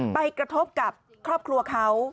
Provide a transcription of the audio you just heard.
ไปกระทบกับครอบครัวเขา